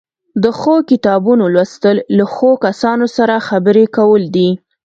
د ښو کتابونو لوستل له ښو کسانو سره خبرې کول دي.